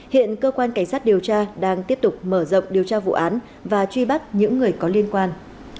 hiện cơ quan cảnh sát điều tra đang tiếp tục mở rộng điều tra vụ án và truy bắt những người có liên quan